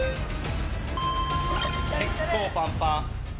結構パンパン。